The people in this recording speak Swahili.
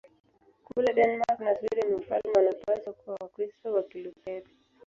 Kule Denmark na Sweden wafalme wanapaswa kuwa Wakristo wa Kilutheri.